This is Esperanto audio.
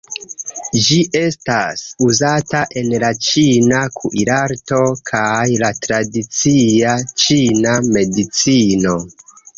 Ĝi estas uzata en la ĉina kuirarto kaj la tradicia ĉina medicino.